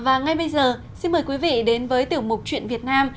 và ngay bây giờ xin mời quý vị đến với tiểu mục chuyện việt nam